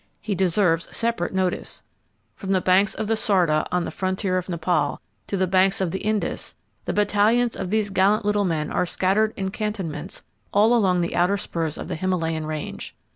He deserves separate notice. From the banks of the Sarda on the frontier of Nepal, to the banks of the Indus, the battalions of these gallant little men are scattered in cantonments all along the outer spurs of the Himalayan range.